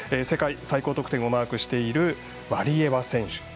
世界最高得点をマークしているワリエワ選手。